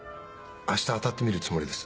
明日当たってみるつもりです。